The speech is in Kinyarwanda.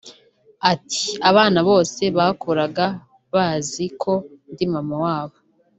Ati "Abana bose bakuraga bazi ko ndi mama wabo